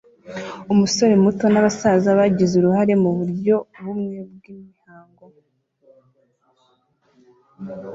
Umusore muto nabasaza bagize uruhare muburyo bumwe bwimihango